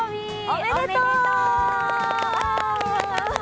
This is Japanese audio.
おめでとう！